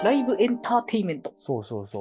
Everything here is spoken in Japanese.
そうそうそう。